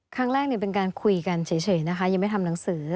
ครั้งแรกเป็นการคุยกันเฉยนะคะยังไม่ทำหนังสือ